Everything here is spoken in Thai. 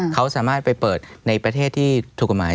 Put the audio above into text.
เขาสามารถไปเปิดในประเทศที่ถูกกฎหมาย